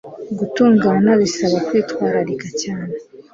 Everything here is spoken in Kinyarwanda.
gutungana bisaba kwitwararika cyane